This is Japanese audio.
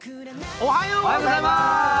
おはようございます。